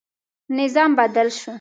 نظام بدل شو.